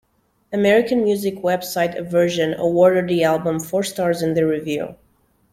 American music website Aversion awarded the album four stars in their review.